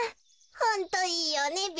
ホントいいよねべ。